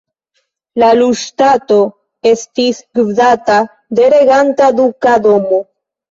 La Lu-ŝtato estis gvidita de reganta duka domo.